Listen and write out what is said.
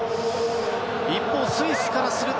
一方スイスからすると。